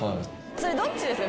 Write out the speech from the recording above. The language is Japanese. それどっちですか？